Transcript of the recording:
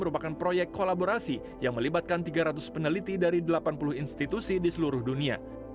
merupakan proyek kolaborasi yang melibatkan tiga ratus peneliti dari delapan puluh institusi di seluruh dunia